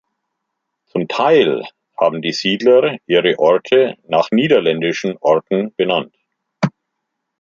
Zum Teil haben die Siedler ihre Orte nach niederländischen Orten benannt.